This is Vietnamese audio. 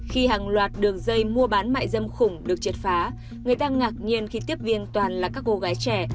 khi hàng loạt đường dây mua bán mại dâm khủng được triệt phá người ta ngạc nhiên khi tiếp viên toàn là các cô gái trẻ